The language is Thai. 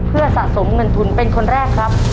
เพื่อสะสมเงินทุนเป็นคนแรกครับ